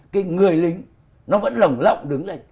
cái người lính nó vẫn lỏng lộng đứng